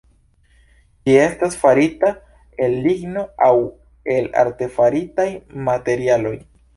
Ĝi estas farita el ligno aŭ el artefaritaj materialoj.